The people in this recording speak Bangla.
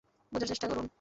বোঝার চেষ্টা করুন।